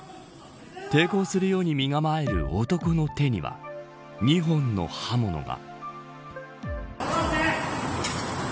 抵抗するように身構える男の手には２本の刃物が。